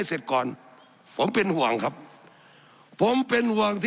สับขาหลอกกันไปสับขาหลอกกันไป